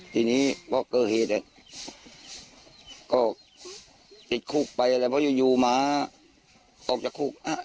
ทีนี้พอเกิดเหตุก็ติดคุกไปอะไรเพราะอยู่หมาออกจากคุก